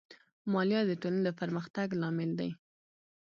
مالیه د ټولنې د پرمختګ لامل دی.